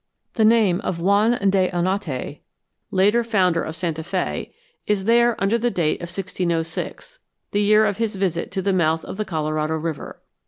The name of Juan de Oñate, later founder of Santa Fé, is there under date of 1606, the year of his visit to the mouth of the Colorado River.